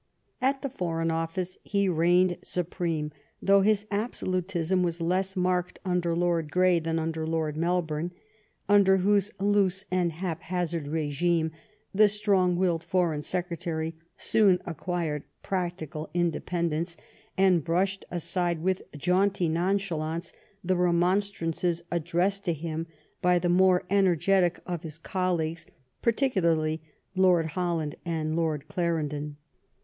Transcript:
At the Foreign Office he reigned supreme ; though his absolutism was less marked under Lord Grey than under Lord Melbourne^ under whose loose and hap hazard regime the strong willed Foreign Secretary soon acquired practical independence, and brushed aside with jaunty nonchalance the remonstrances addressed to him by the more energetic of his colleagues, particularly Lord Holland and Lord Clarendon.